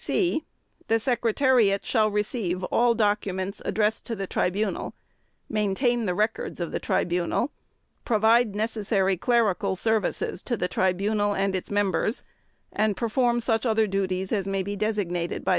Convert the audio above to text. (c) The Secretariat shall receive all documents addressed to the Tribunal, maintain the records of the Tribunal, provide necessary clerical services to the Tribunal and its Members, and perform such other duties as may be designated by the Tribunal.